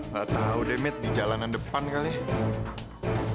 gak tahu deh med di jalanan depan kali ya